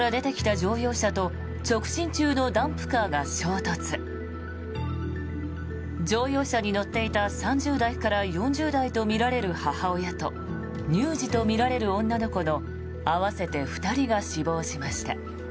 乗用車に乗っていた３０代から４０代とみられる母親と乳児とみられる女の子の合わせて２人が死亡しました。